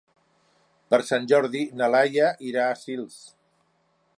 Per Sant Jordi na Laia irà a Sils.